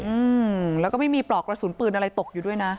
อืมแล้วก็ไม่มีปลอกกระสุนปืนอะไรตกอยู่ด้วยนะ